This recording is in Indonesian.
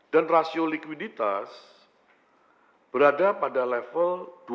dan rasio likuiditas berada pada level dua puluh delapan